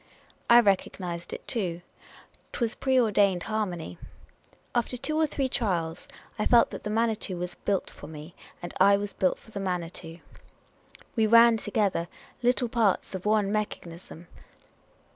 I recognised it too. 'T was a pre ordained harmony. After two or three trials I felt that the Manitou was built for me, and I was built for the Manitou. We ran together like parts of one mechanism.